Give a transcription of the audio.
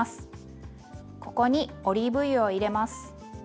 ここにオリーブ油を入れます。